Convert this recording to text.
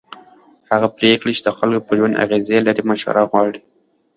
هغه پرېکړې چې د خلکو پر ژوند اغېز لري مشوره غواړي